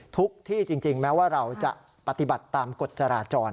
ที่จริงแม้ว่าเราจะปฏิบัติตามกฎจราจร